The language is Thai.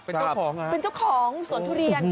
เป็นเจ้าของอ่ะเป็นเจ้าของสวนทุเรียน